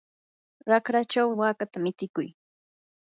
raqrachaw wakata michikuy.